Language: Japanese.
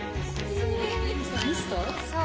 そう。